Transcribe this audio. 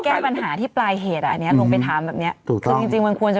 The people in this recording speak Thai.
แก้ปัญหาที่ปลายเหตุอ่ะอันนี้ลงไปถามแบบเนี้ยถูกคือจริงจริงมันควรจะ